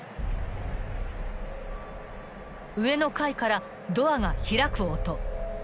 ［上の階からドアが開く音］